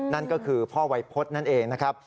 นั่นก็คือพ่อวัยพฤษนั่นเองนะครับ